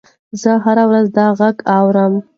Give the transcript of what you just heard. زه هره ورځ دا غږ اورم.